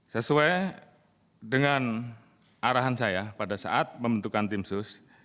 sesuai dengan arahan saya pada saat membentukan timsus